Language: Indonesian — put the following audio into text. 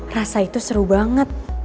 rasa itu seru banget